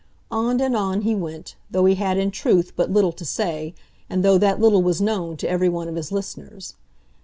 On and on, he went, though he had, in truth, but little to say, and though that little was known to every one of his listeners.